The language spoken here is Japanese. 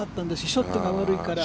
ショットが悪いから。